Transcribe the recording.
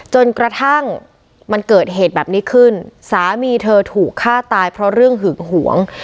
จนกระทั่งมันเกิดเหตุแบบนี้ขึ้นสามีเธอถูกฆ่าตายเพราะเรื่องหึงหวง